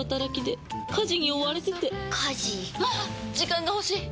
時間が欲しい！